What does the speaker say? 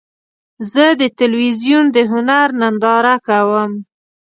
زه د تلویزیون د هنر ننداره کوم.